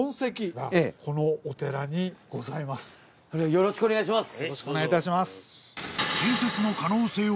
よろしくお願いします。